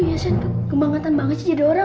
masa ini aku mau ke rumah